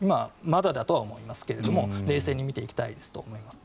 まだだとは思いますけども冷静に見ていきたいと思います。